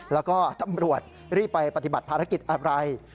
แล้วก็ตำรวจรีบไปปฏิบัติภารกิจอะไร